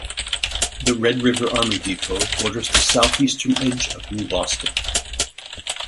The Red River Army Depot borders the southeastern edge of New Boston.